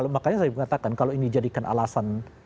makanya saya mengatakan kalau ini jadikan alasan